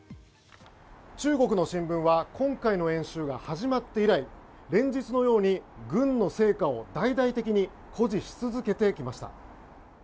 中国の新聞は今回の演習が始まって以来連日のように軍の成果を大々的に誇示し続けてきました。